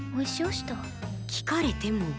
聞かれても。